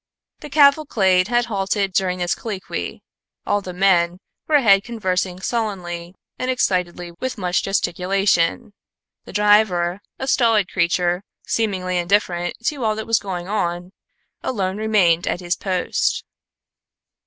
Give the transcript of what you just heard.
The cavalcade had halted during this colloquy. All the men were ahead conversing sullenly and excitedly with much gesticulation. The driver, a stolid creature, seemingly indifferent to all that was going on, alone remained at his post.